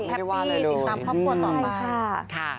แฮปปี้ติดตามครอบครัวต่อมาค่ะ